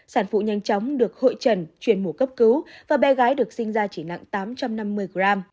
sản phụ nhanh chóng được hội trần chuyển mổ cấp cứu và bé gái được sinh ra chỉ nặng tám trăm năm mươi g